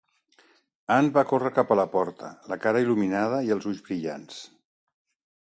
Ann va córrer cap a la porta, la cara il·luminada i els ulls brillants.